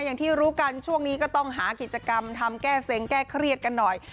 อย่างที่รู้กันช่วงนี้ก็ต้องหากิจกรรมทำแก้เซ็งแก้เครียดกันหน่อย